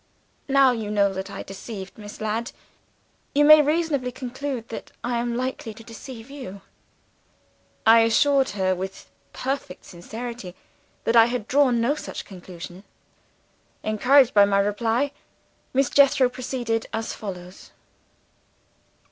Now you know that I deceived Miss Ladd, you may reasonably conclude that I am likely to deceive You.' "I assured her, with perfect sincerity, that I had drawn no such conclusion. Encouraged by my reply, Miss Jethro proceeded as follows."